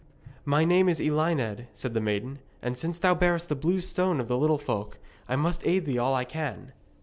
'My name is Elined,' said the maiden, 'and since thou bearest the Blue Stone of the Little Folk, I must aid thee all I can.'